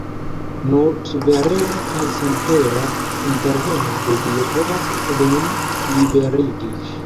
Nur suverena kaj senpera interveno de Dio povas lin liberigi.